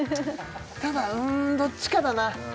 ただうんどっちかだな